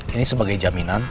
ini sebagai jaminan